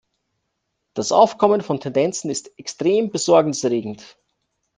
Das Aufkommen von Tendenzen ist extrem Besorgnis erregend.